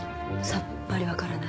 さっぱり分からない。